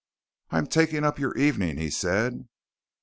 "I'm taking up your evening," he said.